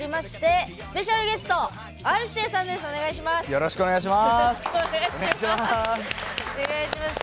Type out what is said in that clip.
よろしくお願いします。